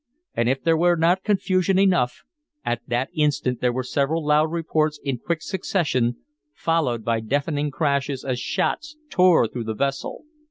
As if there were not confusion enough at that instant there were several loud reports in quick succession, followed by deafening crashes as shots tore through the vessel.